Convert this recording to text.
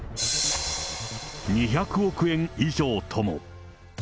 ２００億円以上とも。